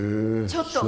ちょっと！